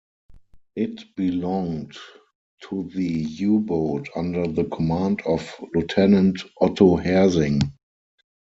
It belonged to the U-boat under the command of Lieutenant Otto Hersing.